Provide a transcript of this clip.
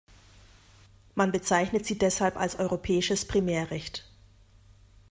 Man bezeichnet sie deshalb als „europäisches Primärrecht“.